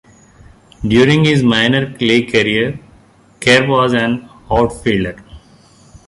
During his minor league career, Kerr was an outfielder.